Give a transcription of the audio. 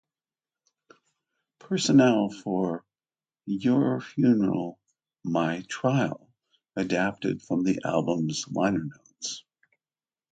Personnel for "Your Funeral... My Trial" adapted from the album's liner notes.